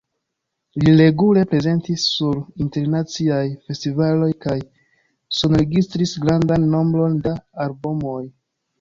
Li regule prezentis sur internaciaj festivaloj kaj sonregistris grandan nombron da albumoj.